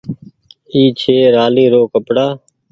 اي ڇي رآلي رو ڪپڙآ۔